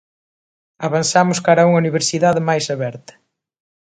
Avanzamos cara a unha universidade máis aberta.